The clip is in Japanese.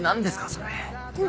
それ。